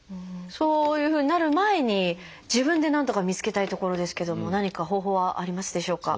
そういうふうになる前に自分でなんとか見つけたいところですけども何か方法はありますでしょうか？